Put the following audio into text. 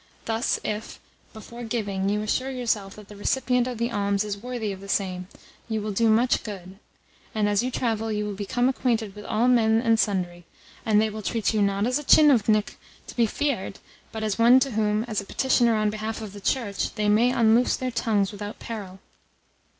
Thus, if, before giving, you assure yourself that the recipient of the alms is worthy of the same, you will do much good; and as you travel you will become acquainted with all men and sundry, and they will treat you, not as a tchinovnik to be feared, but as one to whom, as a petitioner on behalf of the Church, they may unloose their tongues without peril."